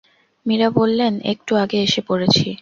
মীরা বললেন, একটু আগে এসে পড়েছি।